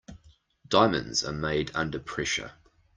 Diamonds are made under pressure.